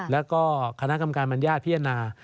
แล้วก็คณะกรรมการบรรยาทพิจารณา